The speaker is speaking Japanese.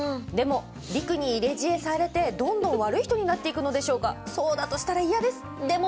でも、りくに入れ知恵されてどんどん悪い人になっていくのでしょうかそうだとしたら嫌です。